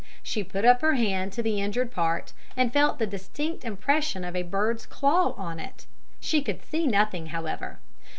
She put up her hand to the injured part, and felt the distinct impression of a bird's claw on it. She could see nothing, however.